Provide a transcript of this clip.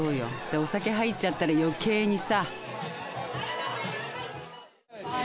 お酒入っちゃったら余計にさ。